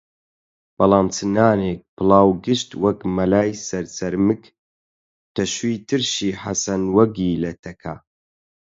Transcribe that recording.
بەڵام چ نانێک، پڵاو گشت وەک مەلای سەرچەرمگ تەشوی ترشی حەسەن وەگی لە تەکا